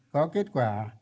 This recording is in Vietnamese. có kết quả